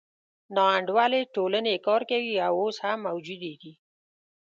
ناانډولې ټولنې کار کوي او اوس هم موجودې دي.